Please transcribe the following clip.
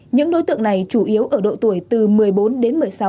những đối tượng này chủ yếu ở độ tuổi từ một mươi bốn đến một mươi sáu